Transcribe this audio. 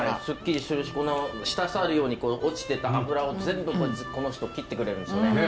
すっきりするしこの滴るように落ちていた脂を全部この人切ってくれるんですよね。